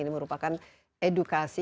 ini merupakan edukasi